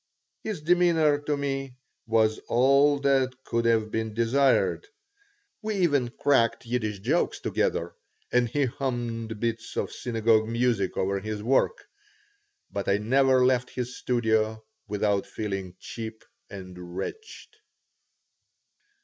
His demeanor toward me was all that could have been desired. We even cracked Yiddish jokes together and he hummed bits of synagogue music over his work, but I never left his studio without feeling cheap and wretched.